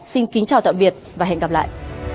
xin kính chào tạm biệt và hẹn gặp lại